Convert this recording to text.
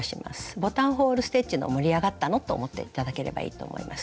ボタンホール・ステッチの盛り上がったのと思って頂ければいいと思います。